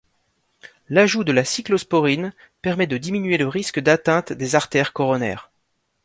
L'ajout de la ciclosporine permet de diminuer le risque d'atteinte des artères coronaires.